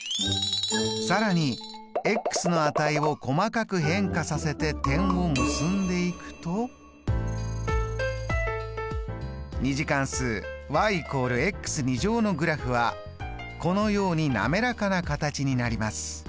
更にの値を細かく変化させて点を結んでいくと２次関数＝のグラフはこのように滑らかな形になります。